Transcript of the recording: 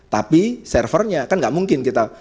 tapi servernya kan nggak mungkin kita